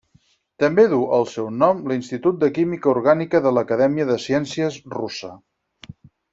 També duu el seu nom l'Institut de Química orgànica de l'Acadèmia de Ciències Russa.